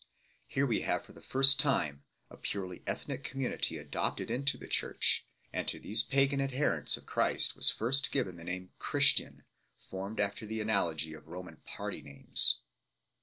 Here we have for the first time, a purely ethnic community adopted into the Church ; and to these pagan adherents of Christ was first given the name " Christian 5 ," formed after the analogy of Roman party names.